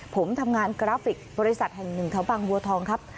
ผมทำงานกราฟิกบริษัทแห่งหนึ่งแถวบางบัวทองครับ